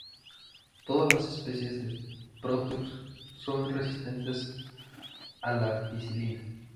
Todas las especies de "Proteus" son resistentes a la ampicilina.